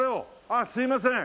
あっすいません。